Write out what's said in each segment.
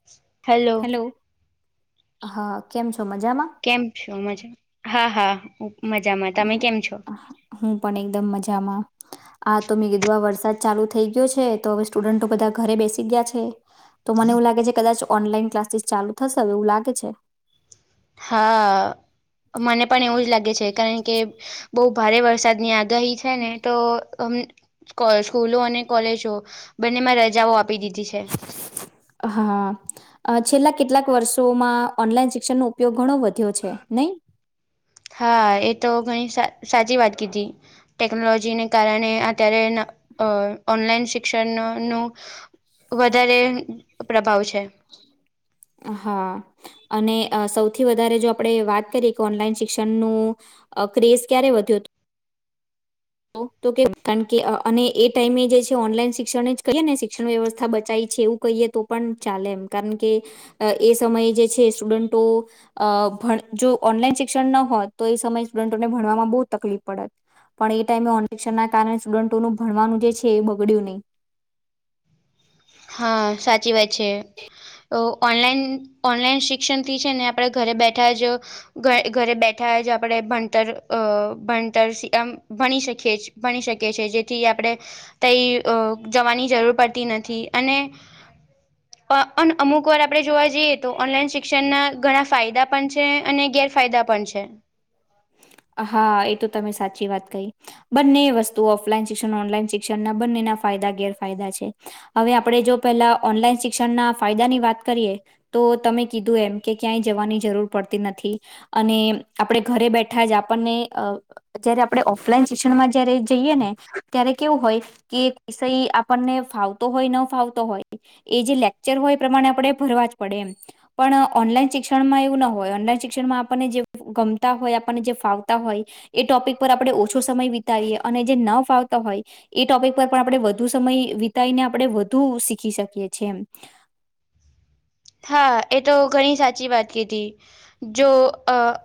[inaudible] Hello. હા. કેમ છો મજામાં? કેમ છો? મજામાં? હા હા હું મજામાં. તમે કેમ છો અ.. હું પણ એકદમ મજામાં. આ તો મેં કીધું આ વરસાદ ચાલુ થઈ ગયો છે તો હવે સ્ટુડન્ટો બધા ઘરે બેસી ગયા છે. તો મને એવું લાગે છે કદાચ ઓનલાઈન ક્લાસીસ ચાલુ થશે. હવે એવું લાગે છે. હા. મને પણ એવું જ લાગે છે, કારણ કે બહુ ભારે વરસાદની આગ ગાહી છેને તો અમે. કોલ સ્કૂલો અને કોલેજો બંનેમાં રજાઓ આપી દીધી છે. હા. છેલ્લા કેટલાંક વર્ષોમાં ઓનલાઈન શિક્ષણનો ઉપયોગ ઘણો વધ્યો છે નહીં? હા. એ તો ઘણી સા સાચી વાત કીધી. ટેક્નોલોજીને કારણે અત્યારે ન‌અ ઓનલાઈન શિક્ષણનું. વધારે પ્રભાવ છે. હા અને સૌથી વધારે જો આપણે વાત કરીએ કે ઓનલાઈન શિક્ષણનું. ક્રેઝ ક્યારે વધ્યોતો. તો કે કાણ કે અને એ ટાઈમે જે છે ઓનલાઈન શિક્ષણ જ કહીએને શિક્ષણ વ્યવસ્થા બચાય છે એવું. કહીએ તો પણ ચાલે એમ કારણ કે એ સમયે જે છે સ્ટુડન્ટો. અ ભણ જો ઓનલાઈન શિક્ષણ ન હોત તો એ સમયે સ્ટુડન્ટોને ભણવામાં બહુ તકલીફ પડત. પણ એ ટાઈમે ઓન શિક્ષણને ના કારણે સ્ટુડન્ટોનું ભણવાનું જે છે એ બગડ્યું નય.. હા સાચી વાત છે. ઓ ઓનલાઈન ઓનલાઈન શિક્ષણ થી છે ને આપણેે ઘરે બેઠા જ. ઘ ઘરે બેઠા જ આપણે ભણતર અ ભણતર આમ. ભણી શકી ભણી શકીએ છીએ જેથી આપણે. કઈ જવાની જરૂર પડતી નથી અને. અને અમુક વાર આપણે જોવા જઈએ તો ઓનલાઈન શિક્ષણના ઘણા ફાયદા પણ છે અને ગેરફાયદા. પણ છે. હા એ તો તમે સાચી વાત કહી. બંને વસ્તુ ઓફલાઈન શિક્ષણ ઓનલાઈન શિક્ષણ ના બંનેના ફાયદા ગેરફાયદા છે. હવે આપણે જો પેલા ઓનલાઈન શિક્ષણના ફાયદાની વાત કરીએ. તો તમે કીધું એમ કે ક્યાંય જવાની જરૂર પડતી નથી અને આપણે ઘરે બેઠ. આપણને જયારે આપણે ઓફલાઈન શિક્ષણમાં જયારે જઈએ ને ત્યારે કેવું હોય. કે વિષય આપણને ફાવતો હોય ન ફાવતો હો. એ જે લેક્ચર હોય એ પ્રમાણે આપણેે ભરવા જ પડે એમ. પણ ઓનલાઈન શિક્ષણમાં એવું ના હોય ઓનલાઈન શિક્ષણમાં આપણને જે ગમતા હોય. આપ જે ફાવતા હોય એ ટોપિક પર આપણે ઓછો સમય વિતાવીએ અને જે ન ફાવતા હોય. એ ટોપિક પર પણ આપણે વધુ સમય વિતાઈને આપણે વધુ શીખી શકીએ છેએ એમ. હા એ તો ઘણી સાચી વાત કીધી. જો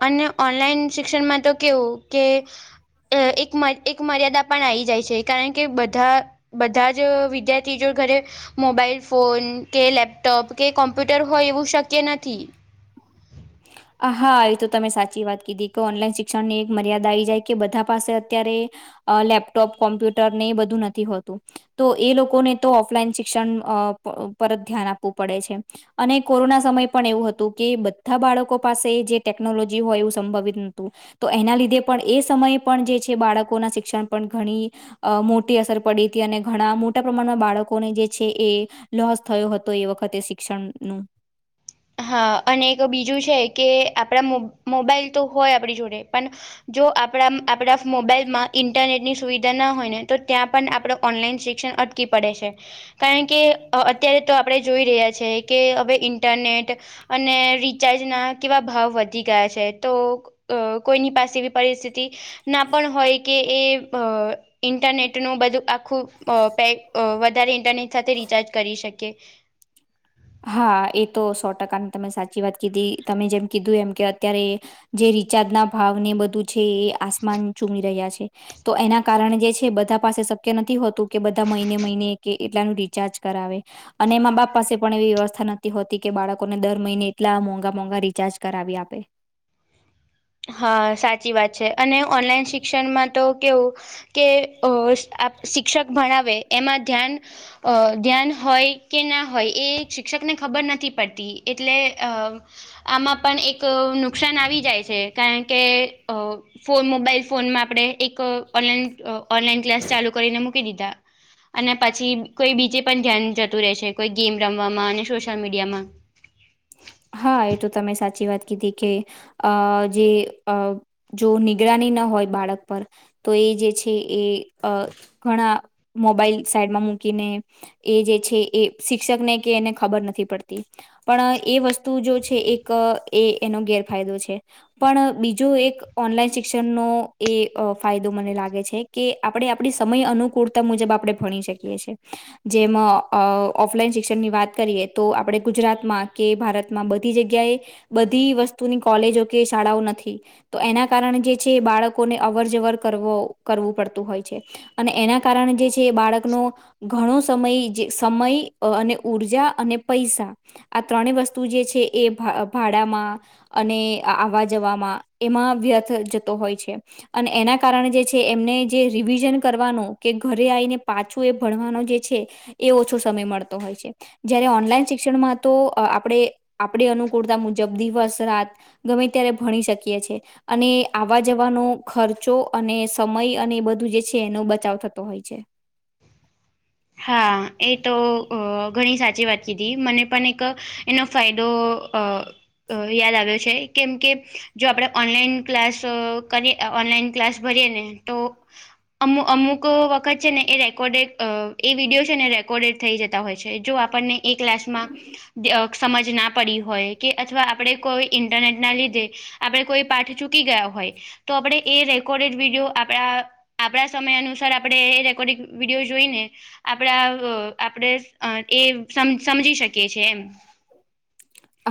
અને ઓનલાઈન શિક્ષણમાં તો કેવું કે. અ એક એક [unintelligible] મર્યાદા પણ આવી જાય છે, કારણ કે બધા. બધા જ વિદ્યાર્થી જો ઘરે મોબાઈલ ફોન કે લેપટોપ કે. કોમ્પ્યુટર હોય એવું શક્ય નથી. હા એ તો તમે સાચી વાત કીધી કે ઓનલાઈન શિક્ષણ ની એક મર્યાદા આવી જાય કે બધા પાસે અત્યારે. અ લેપટોપ કોમ્પ્યુટર ને એ બધું નથી હોતું. તો એ લોકોને તો ઓફલાઈન શિક્ષણ [unintelligible] ધ્યાન આપવું પડે છે. અને કોરોના સમય પણ એવું હતું કે આ બાળકો પાસે જે ટેકનોલોજી હોય એવું સંભવિત નહતું. તો એના લીધે પણ એ સમયે પણ જે છે, બાળકોના શિક્ષણ પણ ઘણી. અ મોટી અસર પડી હતી અને ઘણા મોટા પ્રમાણમાં બાળકોને જે છે, એ. લોસ થયો હતો એ વખતે શિક્ષણનું. હા અને એક બીજું છે, કે આપણા મો મોબાઈલ તો હોય આપણી જોડે પણ. જો આપણા આપણા મોબાઈલ માં ઇન્ટરનેટની સુવિધા ના હોય ને તો ત્યાં પણ આપડ ઓનલાઈન શિક્ષણ. પડે છે, કારણ કે અત્યારે તો આપણે જોઈ રહ્યા છે, કે હવે ઇન્ટરનેટ. અને રિચાર્જના કેવા ભાવ વધી ગયા છે, તો. અ કોઈની પાસે પરિસ્થિતિ ના પણ હોય કે એ [unintelligible] ઇન્ટરનેટનું બધું આખું પે વધારે ઇન્ટરનેટ સાથે રિચાર્જ કરી શકીએ. હા એ તો સો ટકાની તમે સાચી વાત કીધી તમે જેમ કીધું એમ કે અત્યારે. જે રિચાર્જ ના ભાવને બધું છે, એ આસમાન ચૂમી રહ્યા છે. તો એના કારણે જે છે, બધા પાસે શક્ય નથી હોતું કે બધા મહિને મહિને કે એટલાનું રચાર્જ કરાવે અને એમાં બાપ પાસે. પણ એવી વ્યવસ્થા નથી હોતી કે બાળકોને દર મહિને એટલા મોંઘા મોંઘા રિચાર્જ કરાવી આપે. હા સાચી વાત છે, અને ઓનલાઈન શિક્ષણમાં તો કેવું. કે અ શિક્ષક ભણાવે એમાં ધ્યાન. અ ધ્યાન હોય કે ના હોય એ શિક્ષકને ખબર નથી પડતી એટલે અ. આમાં પણ એક નુકસાન આવી જાય છે. કારણ કે ફોન મોબાઈલ ફોનમાં આપણે એક ઓનલાઈન. ઓનલાઈન ક્લાસ ચાલુ કરીને મૂકી દીધા. અને પછી કોઈ બીજે પણ ધ્યાન જતું રહે છે, કોઈ ગેમ રમવામાં અને સોશિયલ મીડિયામાં. હા એ તો તમે સાચી વાત કીધી કે અ જે અ. જો નિગરાની ન હોય બાળક પર. તો એ જે છે, એ ઘણા મોબાઈલ સાઈડમાં મૂકીને. એ જે છે, એ શિક્ષકને કે એને ખબર નથી પડતી પણ. એ વસ્તુ જો છે, એક એ એનો ગેરફાયદો છે. પણ બીજો એક ઓનલાઈન શિક્ષણનોો એ ફાયદો મને લાગે છે. કે આપણે આપણી સમય અનુકૂળતા મુજબ આપણે ભણી શકીએ છી. જેમાં ઓફલાઈન શિક્ષણ ની વાત કરીએ તો આપડે ગુજરાતમાં. કે ભારતમાં બધી જગ્યા એ બધી વસ્તુની કોલેજો કે શાળાઓ નથી. તો એના કારણે જે છે બાળકોને અવર જવર કરવો કરવું પડતું હોય છે. અને એના કારણે જે છે બાળકનો. ઘણો સમય જે સમય અને ઉર્જા અને પૈસા. આ ત્રણેય વસ્તુ જે છે એ ભાડામાં. અને આવવા જવામાં એમાં વ્યર્થ જતો હોય છે. અને એના કારણે જે છે એમને જે રિવિઝન કરવાનું કે ઘરે આવીને પાછું એ ભણવાનું જે છે. એ ઓછો સમય મળતો હોય છે જયારે ઓનલાઈન શિક્ષણમાં. તો આપણે આપણી અનુકૂળતા મુજબ દિવસ રાત ગમે ત્યારે ભણી શકીએ છે. અને આવવા જવાનો ખર્ચો અને સમય અને બધું જે છે એનો બચાવ થતો હોય છે. હા એ તો ઘણી સાચી વાત કીધી મને પણ એક. એનો ફાયદો અ. અ યાદ આવ્યો છે કેમ કે જો આપણે ઓનલાઈન ક્લાસ કરીએ. ઓનલાઈન ક્લાસ ભરીએ ને તો. અમુક અમુક વખત છે ને એ રેકોર્ડેડ અ. એ વિડીયો છેને રેકોર્ડેડ થઈ જતા હોય છે જો આપણને એ ક્લાસમાં. સમજ ના પડી હોય કે અથવા આપણે કોઈ ઇન્ટરનેટ ના લીધે આપણે કોઈ પાઠ. ચૂકી ગયા હોય તો આપડણે એ રેકોર્ડેડ વિડીયો. આપણા આપણા સમય અનુસાર આપણે એ રેકોર્ડિંગ વિડીયો જોઈ ને. આપણા આપણે એ સમ સમજી શકીએીએ એમ. [inaudible]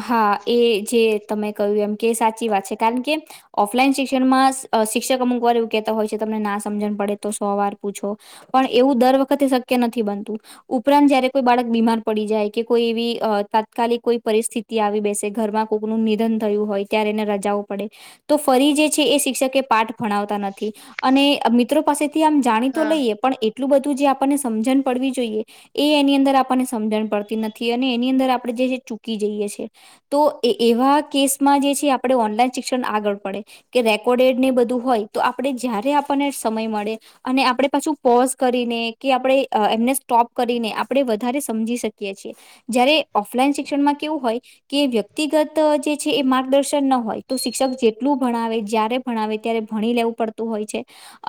હા એ જે તમે કહ્યું એમ કે સાચી વાત છે કારણ કે. ઓફલાઈન શિક્ષણમાં શિક્ષક અમુક વાર એવું કેહેતા હોય છે તમને ના સમજણ પડે તો સો વાર પૂછો. પણ એવું દર વખતે શક્ય નથી બનતું ઉપરાંત જયારે. કોઈ બાળક બીમાર પડી જાય કે કોઈ એવી તાત્કાલિક કોઈ પરિસ્થિતિ આવી બેસે ઘરમાં. કનુંું નિધન થયું હોય ત્યારે એને રજાઓું પડે. તો ફરી જે છે એ શિક્ષકે પાઠ ભણાવતા નથી અને મિત્રો પાસે. મ જાણી તો હા લઈએ પણ એટલું બધું જે આપણને સમજણ પડવી જોઈએ એ એની. ની અંદર આપણને સમજણ પડતી નથી અને એની અંદર આપડણે જે છે ચૂકી જઈએ છીએ. તો એ એવા કેસમાં જે છે આપણે ઓનલાઈન શિક્ષણ આગળ પડે. કે રેકોર્ડેડ ને બધું હોય તો આપડે જયારે આપણને સમય મળે. અને આપણે પાછું પોઝ કરીને કે આપણે એમને સ્ટોપ કરીને. આપણે વધારે સમજી શકીએ છીએ જયારે ઓફલાઈન શિક્ષણમાં કેવું હોય. કે વ્યક્તિગત જે છે એ માર્ગદર્શન ના હોય તો શિક્ષક જેટલું ભણાવે જ્યારે. ભણાવ ત્યારે ભણી લેવું પડતું હોય છે.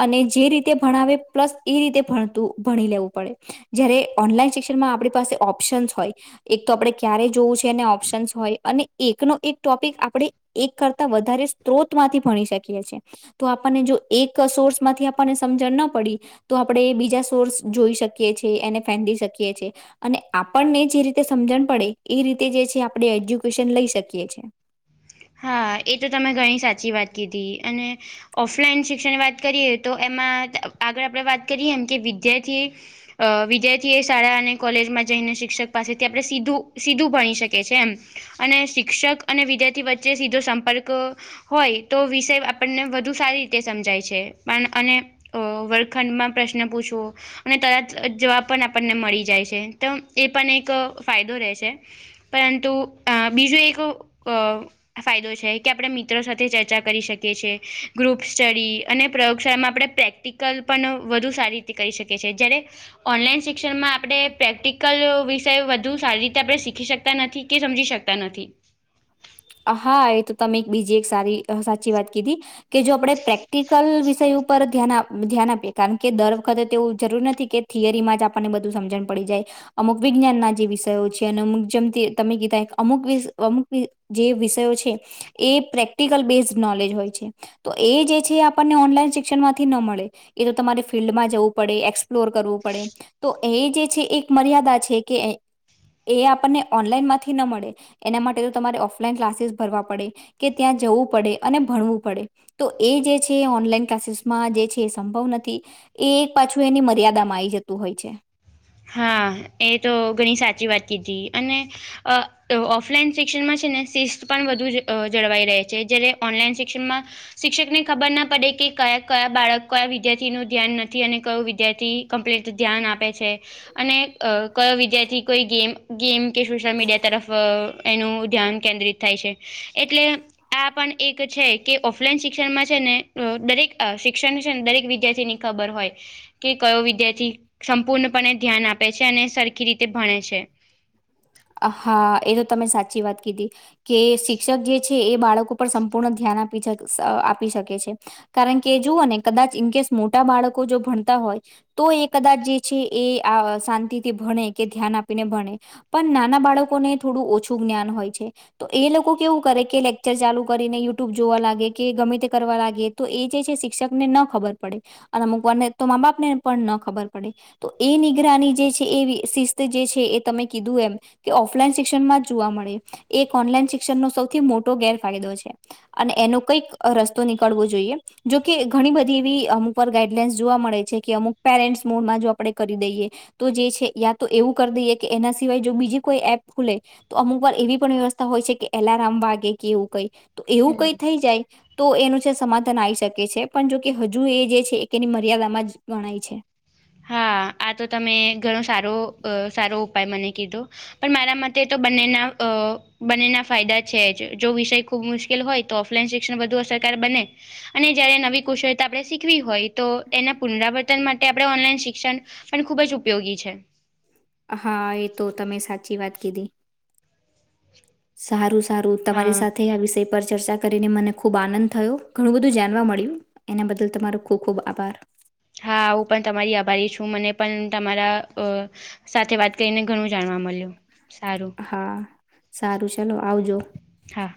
અને જે રીતે ભણાવે પ્લસ એ રીતે ભણતું ભણી લેવું પડે જ્યારે. ઓનલાઈન શિક્ષણમાં આપણી પાસે ઓપ્શન્સ હોય. એક તો આપણે ક્યારે જોવું છે ઓપ્શન્સ હોય અને એકનો એક ટોપિક આપણે. એક કરતા વધારે સ્ત્રોત માંથી ભણી શકીએ છીએ. તો આપણને જો એક સોર્સ માંથી આપણને સમજણ ના પડી. તો આપણે એ બીજા સોર્સ જોઈ શકીએ છીએ એને ફેદી શકીએ છેએ. અને આપણને જે રીતે સમજણ પડે એ રીતે જે છે આપણે એજ્યુકેશન લઈ શકીએ છીએ. હા એ તો તમે ઘણી સાચી વાત કીધી અને. ઓફલાઈન શિક્ષણ વાત કરીએ તો એમાં આગળ આપણે વાત કરીએ એમ કે વિદ્યાર્થી. અ વિદ્યાર્થી એ શાળા અને કોલેજમાં જઈને શિક્ષક પાસેથી આપણે સીધું સીધું ભણી શકી છે એમ. અને શિક્ષક અને વિદ્યાર્થી વચ્ચે સીધો સંપર્ક. હોય તો વિષય આપણને વધુ સારી રીતે સમજાય છે પણ અને. વર્ળખંડમાં પ્રશ્ન પૂછો. અને તરત જવાબ પણ આપણને મળી જાય છે તો એ પણ એક ફાયદો રહે છે. પરંતુ બીજું એક. ફાયદો છે કે આપણે મિત્રો સાથે ચર્ચા કરી શકીએ છીએ ગ્રુપ સ્ટડી અને પ્રયોગશાળામાં આપણે પ્રેક્ટિક. કલ્પના વધુ સારી રીતે કરી શકે છે જ્યારે. ઓનલાઈન શિક્ષણમાં આપણે પ્રેક્ટિકલ વિષય વધુ સારી રીતે આપણે શીખી શકતા નથી કે સમજી શકતા. તા નથી. હા એ તો તમે એક બીજી એક સારી સાચી વાત કીધી. કે જો આપણે પ્રેક્ટિકલ વિષય ઉપર ધ્યાન આપીએ કારણ કે દર વખતે તે એવું જરૂર નથી કે. થિયરીમાં જ આપણને બધું સમજણ પડી જાય. અમુક વિજ્ઞાનના જે વિષયો છે અને અમુક જેમથી તમે કીધ અમુક અમુક. જે વિષયો છે એ પ્રેક્ટિકલ બેઝડ નોલેજ હોય છે. તો એ જે છે આપણને ઓનલાઈન શિક્ષણ માંથી ન મળે. એ તો તમારે ફિલ્ડમાં જવું પડે એક્સપ્લોર કરવું પડે. તો એ જે છે એક મર્યાદા છે કે. એ આપણને ઓનલાઈનમાંથી ન મળે એના માટે તો તમારે ઓફ. ઓલાઈન ક્લાસીસ ભરવા પડે કે ત્યાં જવું પડે અને ભણવું પડે. તો એ જે છે ઓનલાઈન ક્લાસીસમાં જે છે એ સંભવ નથી. એ એક પાછું એની મર્યાદામાં આવી જતું હોય છે. હા એ તો ઘણી સાચી વાત કીધી અને. અ ઓફલાઈન શિક્ષણમાં છે ને શિસ્ત પણ વધુ જળવાઈ રહે છે જ્યારે ઓનલાઈન શિક્ષણમાં. શિક્ષક ને ખબર ના પડે કે કયા કયા બાળકકો ક વિદ્યાર્થી નું ધ્યાન નથી અને કયો વિદ્યાર્થી. કમ્પ્લીટ ધ્યાન આપે છે. અને કયો વિદ્યાર્થી કોઈ ગેમ ગેમ કે સોશયલ મીડિયા તરફ. એનું ધ્યાન કેન્દ્રિત થાય છે એટલે આ પણ એક છે કે ઓફલાઈન શિક્ષણમાં છે ને દરેક શિક્ષણ છે ને દરેક વિદ્યાર્થીની. ખબર હોય કે કયો વિદ્યાર્થી સંપૂર્ણ. પણને ધ્યાન આપે છે અને સરખી રીતે ભણે છે. હા એ તો તમે સાચી વાત કીધી કે શિક્ષક જે. છે એ બાળકો પર સંપૂર્ણ ધ્યાન આપી આપી શકે છે. કારણ કે જુવઓ ને કદાચ ઇન કેસ મોટા બાળકો જો ભણતા હોય. તો એ કદાચ જે છે એ શાંતિથી ભણે કે ધ્યાન આપીને ભણે. પણ નાના બાળકોને થોડું ઓછું જ્ઞાન હોય છે. તો એ લોકો કેવું કરે કે લેક્ચર ચાલુ કરીને યુટ્યુબ જોવા લાગે કે ગમે તે કરવા લાગે. તો એ જે છે શિક્ષક ને ન ખબર પડે અને અમુક વારને તો મા બાપને પણ ન ખબર પડે. તો એ નિગ્રહની જે છે એ શિસ્ત જે છે એ તમે. કીધું એમ કે ઓફલાઈન શિક્ષણ માં જ જોવા મળે. એક ઓનલાઈન શિક્ષણનો સૌથી મોટો ગેરફાયદો છે. અને એનો કઈક રસ્તો નીકળવો જોઈએ. જોકે ઘણી બધી એવી અમુકર ગાઈડલાઇન્સ જોવા મળે છે કે અમુક પેરેન્ટ્સ મોડમાં જો આપણે કરી દઈએ. તો જે છે યા તો એવું કરી દઈએ કે એના. સિવાય જો બીજી કોઈ એપ ખુલે તો અમુ વાર એવી પણ વ્યવસ્થા હોય છે કે એલાર્મ વાગે કે એવું કઈ. તો એવું હમ કઈ થઈ જાય. તો એનું છે સમાધાન આવી શકે છે પણ જોકે હજુ એ જે છે એની મર્યાદામાં જ ગણાય છે. હા આ તો તમે ઘણો સારો સારો ઉપાય મને કીધો. પણ મારા મતે તો બંનેના બંનેના ફાયદા છે જ જો વિષય. ખબ મુશ્કેલ હોય તો ઓફલાઈન શિક્ષણ બધુ અસરકાર બને અને જયારે નવી કુશળતા આપણે શીખવી હોય. તો એના પુનરાવર્તન માટે આપણે ઓનલાઈન શિક્ષણ પણ ખુબ જ ઉપયોગી છે. હા એ તો તમે સાચી વાત કીધી સારું સારું તમારી હા સાથે આ વિષય પર ચર્ચા કરીને મને ખૂબ આનંદ થયો ઘણું બધું જાણવા મળ્યું એના બદલ તમારો ખૂબ ખૂબ આભાર હા હું પન તમારી આભારી છું મને પન તમારા અ સાથે વાત કરીને ઘણું જાણવા મળ્યું સારું હા સારું ચલો આવજો હા